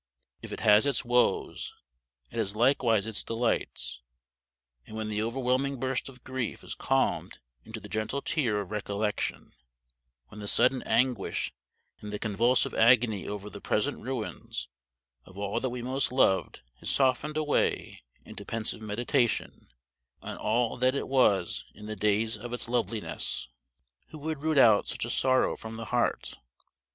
If it has its woes, it has likewise its delights; and when the overwhelming burst of grief is calmed into the gentle tear of recollection, when the sudden anguish and the convulsive agony over the present ruins of all that we most loved is softened away into pensive meditation on all that it was in the days of its loveliness, who would root out such a sorrow from the heart?